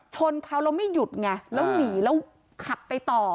ชนเขาแล้วไม่หยุดไงแล้วหนีแล้วขับไปต่อ